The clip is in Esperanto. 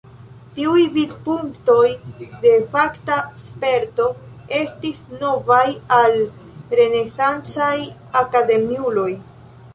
Tiuj vidpunktoj de fakta sperto estis novaj al renesancaj akademiuloj.